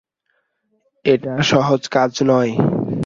এটা সহজ কাজ নয়।